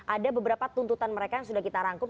ada beberapa tuntutan mereka yang sudah kita rangkum